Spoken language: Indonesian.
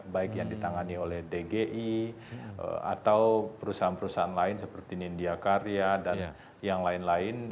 baik yang ditangani oleh dgi atau perusahaan perusahaan lain seperti nindya karya dan yang lain lain